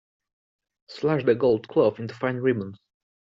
Slash the gold cloth into fine ribbons.